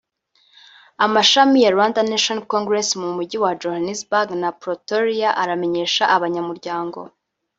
Amashami ya Rwanda National Congress mu mijyi ya Johannesburg na Pretoria aramenyesha abanyamuryango